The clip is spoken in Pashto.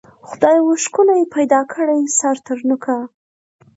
خدای وو ښکلی پیدا کړی سر تر نوکه